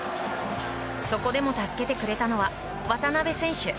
そこでも助けてくれたのは渡邊選手。